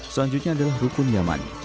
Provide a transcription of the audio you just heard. selanjutnya adalah rukun yaman